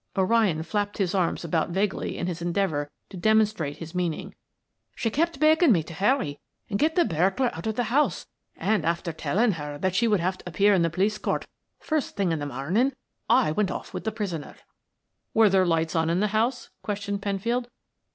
O'Ryan flapped his arms about vaguely in his endeavor to demonstrate his meaning. "She kept begging me to hurry and get the burglar out of the house, and after telling her that she would have to appear in the Police Court first thing that morning, I went off with the prisoner." "Were there lights in the house?" questioned Penfield.